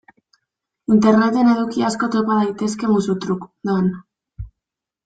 Interneten eduki asko topa daitezke musu-truk, doan.